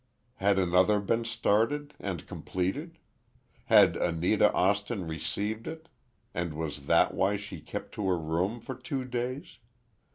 Had another been started—and completed? Had Anita Austin received it—and was that why she kept to her room for two days?